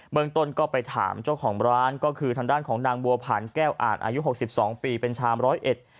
เมืองต้นก็ไปถามเจ้าของร้านก็คือทางด้านของนางบัวผันแก้วอ่านอายุหกสิบสองปีเป็นชาวมร้อยเอ็ด